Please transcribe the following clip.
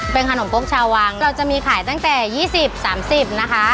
เป็นขนมปกชาววังเราจะมีขายตั้งแต่๒๐๓๐นะคะ